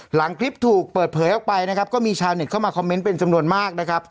หลังคลิปถูกเปิดเผยออกไปนะครับก็มีชาวเน็ตเข้ามาคอมเมนต์เป็นจำนวนมากนะครับ